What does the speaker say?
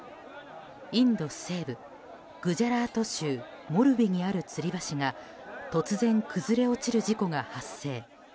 インド西部グジャラート州モルビにあるつり橋が突然、崩れ落ちる事故が発生。